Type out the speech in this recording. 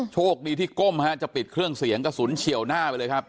โชคดีที่ก้มฮะจะปิดเครื่องเสียงกระสุนเฉียวหน้าไปเลยครับ